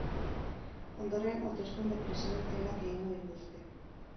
Ondoren hauteskunde presidentzialak egingo dituzte.